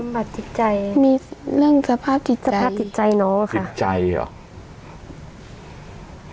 มีมีเรื่องสภาพสภาพติดใจน้องค่ะติดใจเหรอ